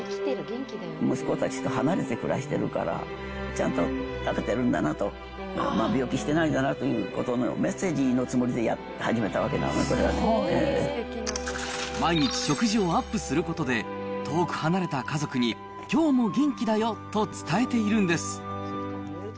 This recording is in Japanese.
息子たちと離れて暮らしてるから、ちゃんと食べてるんだなと、病気してないかなということのメッセージのつもりで始めたわけな毎日食事をアップすることで、遠く離れた家族にきょうも元気だよと伝えているんです。